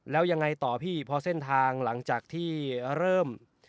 แล้วยังไงต่อพี่พอเส้นทางหลังจากที่เริ่ม